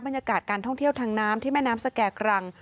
บรรยากาศการท่องเที่ยวทางน้ำที่แม่น้ำสแก่กรัง